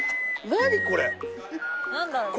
何だろうね？